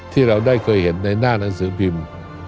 ที่เราได้เคยเห็นในหน้าหนังสือพิมพ์